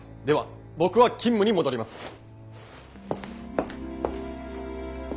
では僕は勤務に戻ります！